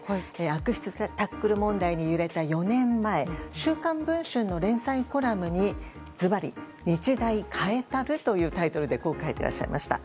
悪質タックル問題に揺れた４年前「週刊文春」の連載コラムにずばり「日大変えたる」というタイトルでこう書いてらっしゃいました。